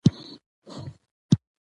څنګه يې درته ووايم لورې.